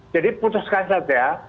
jadi putuskan saja